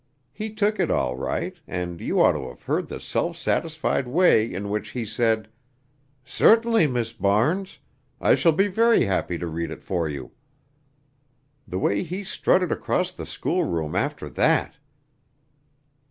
He took it all right, and you ought to have heard the self satisfied way in which he said: 'Certainly, Miss Barnes. I shall be very happy to read it for you.' The way he strutted across the schoolroom after that!